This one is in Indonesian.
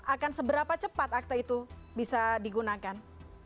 akan seberapa cepat akta itu bisa digunakan